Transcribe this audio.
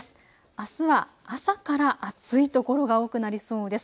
あすは朝から暑い所が多くなりそうです。